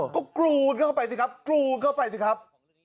ก็กรูนเข้าไปสิครับกรูนเข้าไปสิครับ